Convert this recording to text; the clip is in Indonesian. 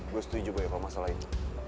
gue setuju boy apa masalah itu